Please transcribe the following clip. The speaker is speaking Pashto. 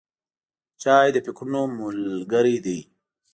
چای د فکرونو ملګری دی.